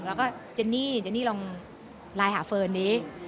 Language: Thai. แล้วก็เจนนี่ลองไลน์หาเฟิร์นดิ